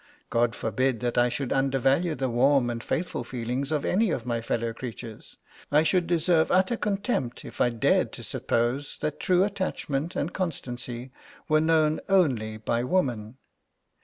God forbid that I should undervalue the warm and faithful feelings of any of my fellow creatures. I should deserve utter contempt if I dared to suppose that true attachment and constancy were known only by woman.